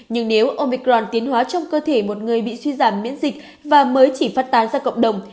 nhưng nếu omicron tiến hóa trong cơ thể một người bị suy giảm miễn dịch và mới chỉ phát tán ra cộng đồng